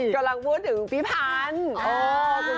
กำลังพูดถึงฟิภันธ์